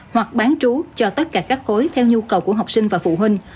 hoặc bán trú cho tất cả các cối theo nhu cầu của học sinh và phụ huynh